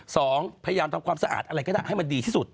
พยายามทำความสะอาดอะไรก็ได้ให้มันดีที่สุด